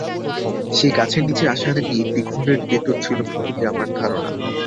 সে গাছের নিচে আসার আগেই একটি ঘোরের ভেতর ছিল বুলে আমার ধারণা।